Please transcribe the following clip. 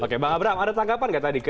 oke bang abraham ada tanggapan gak tadi